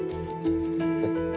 えっ？